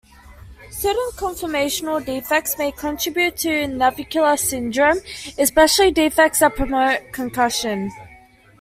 Certain conformational defects may contribute to navicular syndrome, especially defects that promote concussion.